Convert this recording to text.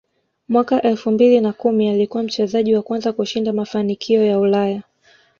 Mwaka elfu mbili na kumi alikuwa mchezaji wa kwanza kushinda mafanikio ya Ulaya